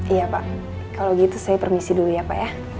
iya pak kalau gitu saya permisi dulu ya pak ya